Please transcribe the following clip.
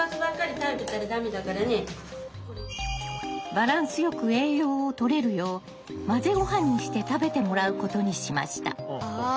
バランスよく栄養をとれるよう混ぜごはんにして食べてもらうことにしました。